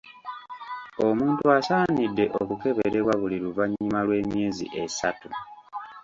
Omuntu asaanidde okukeberebwa buli luvannyuma lw’emyezi esatu.